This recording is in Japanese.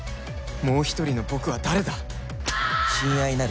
もう１人の僕は誰だ？